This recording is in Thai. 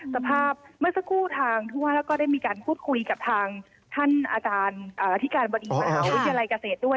สภาพเมื่อสักครู่ทางทั่วนาเเกิดได้มีการคุยกับทางท่านอาจารย์ที่การบดีอมกเศรษฐด้วย